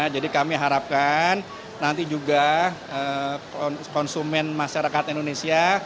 jadi kami harapkan nanti juga konsumen masyarakat indonesia